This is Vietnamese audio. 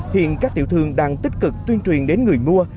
hiện các tiểu thương đang tích cực tuyên truyền đến người mua